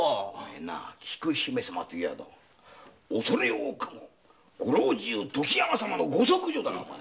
菊姫様といえば恐れ多くも御老中・時山様のご息女だぞ！